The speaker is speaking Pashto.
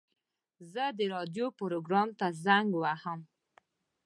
زه د راډیو پروګرام ته زنګ وهم.